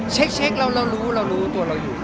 เซคเรารู้ตัวเราอยู่ครับ